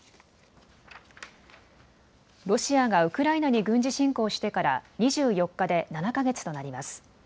ロシアがウクライナに軍事侵攻してから２４日で７か月となります。